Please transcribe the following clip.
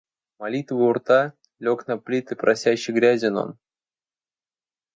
Молитва у рта, — лег на плиты просящ и грязен он.